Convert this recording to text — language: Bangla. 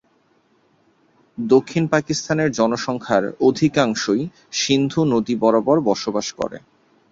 দক্ষিণ পাকিস্তানের জনসংখ্যার অধিকাংশই সিন্ধু নদী বরাবর বসবাস করে।